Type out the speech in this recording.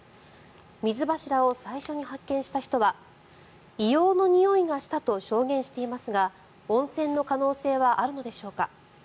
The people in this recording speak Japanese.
水柱を最初に発見した人は硫黄のにおいがしたと証言していますが温泉の可能性はあるのでしょうか。